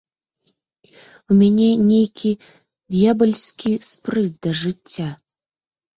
У мяне нейкі д'ябальскі спрыт да жыцця.